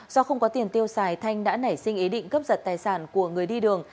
do không có tiền tiêu xài thanh đã nảy sinh ý định cướp giật tài sản của người đi đường